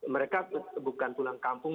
mereka bukan pulang kampung